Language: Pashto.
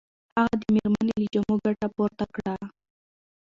هغه د مېرمنې له جامو ګټه پورته کړه.